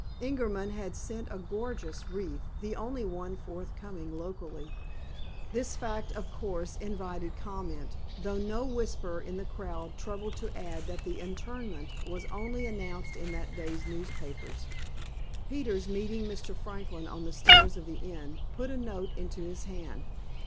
Ingerman had sent a gorgeous wreath, the only one forthcoming locally. This fact, of course, invited comment, though no whisperer in the crowd troubled to add that the interment was only announced in that day's newspapers. Peters, meeting Mr. Franklin on the stairs of the inn, put a note into his hand.